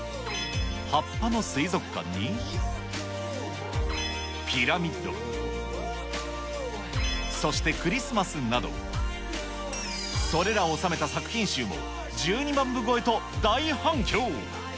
葉っぱの水族館に、ピラミッド、そしてクリスマスなど、それらを収めた作品集も、１２万部超えと大反響。